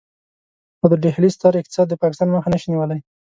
خو د ډهلي ستر اقتصاد د پاکستان مخه نشي نيولای.